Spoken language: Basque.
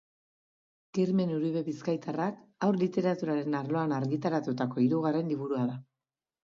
Kirmen Uribe bizkaitarrak haur literaturaren arloan argitaratutako hirugarren liburua da.